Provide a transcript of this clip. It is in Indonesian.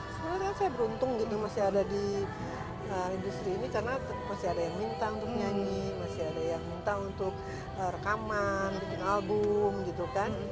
sebenarnya saya beruntung gitu masih ada di industri ini karena masih ada yang minta untuk nyanyi masih ada yang minta untuk rekaman bikin album gitu kan